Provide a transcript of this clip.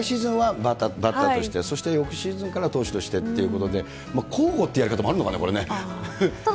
投手、来シーズンはバッターとして、そして翌シーズンからは投手としてっていうことで、交互というやり方、あるのかな、これね。